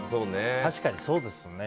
確かにそうですね。